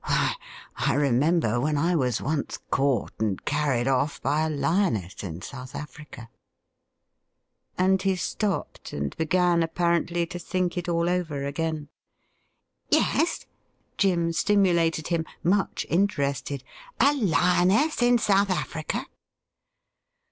Why, I re member when I was once caught and carried off by a lioness in South Africa.'' And he stopped, and began, apparently, to think it all over again. ' Yes,' Jim stimulated him, much interested, ' a lioness in South Africa